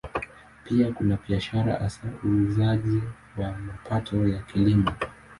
Pia kuna biashara, hasa uuzaji wa mapato ya Kilimo.